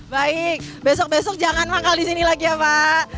baik besok besok jangan manggal di sini lagi ya pak